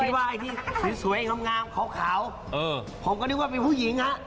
ผมคิดว่าไอ้ที่สวยงามเขาขาวผมก็นึกว่าเป็นผู้หญิง